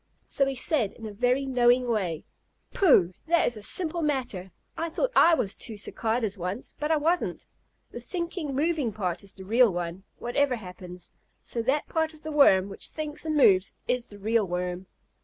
So he said in a very knowing way: "Pooh! That is a simple matter. I thought I was two Cicadas once, but I wasn't. The thinking, moving part is the real one, whatever happens, so that part of the Worm which thinks and moves is the real Worm."